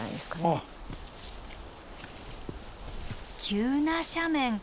急な斜面。